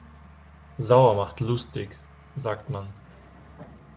Sauer macht lustig, sagt man.